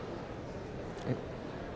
えっ？